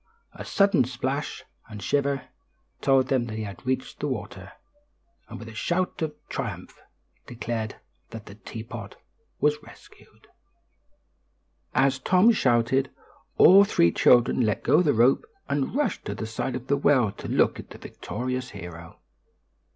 A sudden splash and shiver told them he had reached the water, and a shout of triumph declared that the teapot was rescued. As Tom shouted, all three children let go the rope and rushed to the side of the well to look at the victorious hero.